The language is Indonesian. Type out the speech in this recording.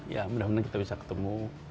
ya mudah mudahan kita bisa ketemu